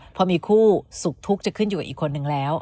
พอมีคู่สุขทุกข์จะขึ้นอยู่กับอีกคนนึงแล้ว